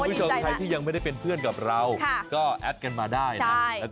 คุณผู้ชมใครที่ยังไม่ได้เป็นเพื่อนกับเราก็แอดกันมาได้นะ